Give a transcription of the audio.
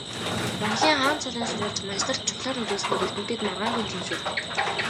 Монголын хаан цолын сурвалж манж нарт чухлаар нөлөөлснийг эрдэмтэд маргаангүй хүлээн зөвшөөрдөг.